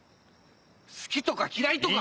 好きとか嫌いとか。